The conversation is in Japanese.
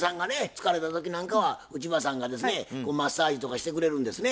疲れた時なんかは内場さんがですねマッサージとかしてくれるんですね？